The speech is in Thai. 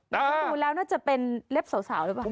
ดูแล้วน่าจะเป็นเล็บสาวหรือเปล่า